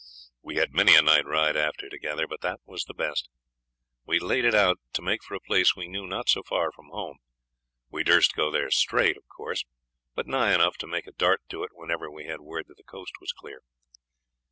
We had many a night ride after together, but that was the best. We had laid it out to make for a place we knew not so far from home. We dursn't go there straight, of course, but nigh enough to make a dart to it whenever we had word that the coast was clear.